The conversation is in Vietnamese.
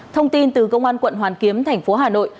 thông tin từ công an quận hoàn kiếm tp hà nội